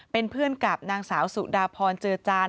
เป็นเพื่อนกับนางสาวสุดาพรเจอจาน